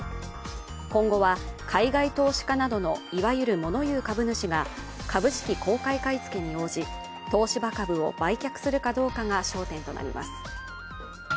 今後は海外投資家などのいわゆる物言う株主が株式公開買い付けに応じ、東芝株を売却するかどうかが焦点となります。